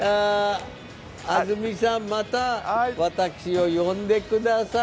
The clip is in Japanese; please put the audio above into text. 安住さん、また私を呼んでください